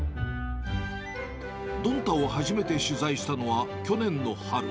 どんたを初めて取材したのは、去年の春。